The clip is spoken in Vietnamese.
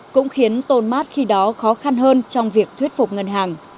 cũng khiến tôn mát khi đó khó khăn hơn trong việc thuyết phục ngân hàng